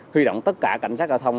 huy động tất cả cảnh sát giao thông